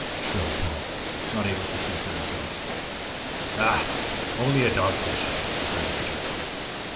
shrilled Paul, not able to see for himself. "Ugh! only a dog fish," grunted the Captain.